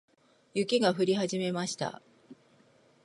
雪が降り始めました。